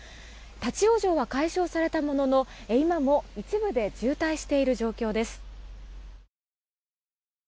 立ち往生は解消されたものの今も一部で渋滞している状況です。